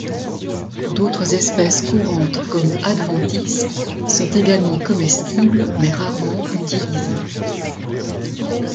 D'autres espèces courantes comme adventices sont également comestibles mais rarement utilisées.